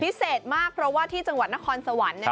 พิเศษมากเพราะว่าที่จังหวัดนครสวรรค์เนี่ย